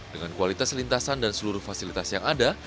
dengan kualitas lintasan dan seluruh fasilitas yang ada